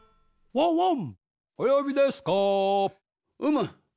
ワンワン！